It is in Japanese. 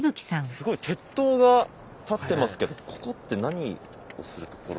すごい鉄塔が立ってますけどここって何をするところなんですか？